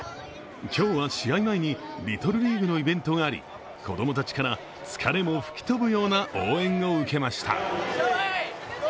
今日は試合前にリトルリーグのイベントがあり、子供たちから疲れも吹き飛ぶような応援を受けました。